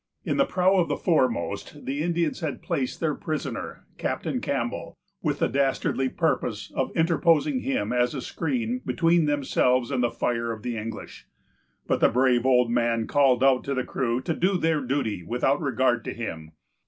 In the prow of the foremost the Indians had placed their prisoner, Captain Campbell, with the dastardly purpose of interposing him as a screen between themselves and the fire of the English. But the brave old man called out to the crew to do their duty, without regard to him.